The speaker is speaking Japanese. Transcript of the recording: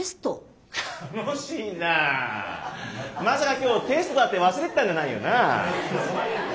まさか今日テストだって忘れてたんじゃないよな？